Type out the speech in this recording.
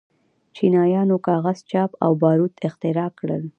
چینایانو کاغذ، چاپ او باروت اختراع کړل.